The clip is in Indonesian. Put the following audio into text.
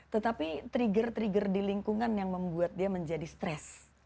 tetapi trigger trigger di lingkungan yang membuat dia menjadi stres